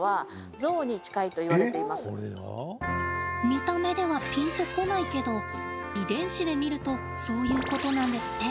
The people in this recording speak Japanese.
見た目ではピンと来ないけど遺伝子で見るとそういうことなんですって。